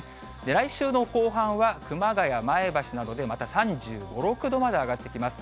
来週の後半は、熊谷、前橋などでまた３５、６度まで上がってきます。